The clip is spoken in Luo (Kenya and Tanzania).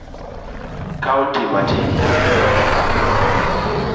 kaunti matin.